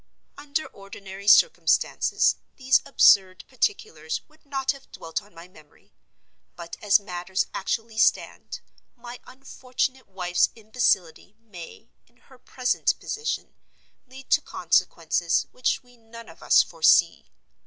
Under ordinary circumstances these absurd particulars would not have dwelt on my memory. But, as matters actually stand, my unfortunate wife's imbecility may, in her present position, lead to consequences which we none of us foresee.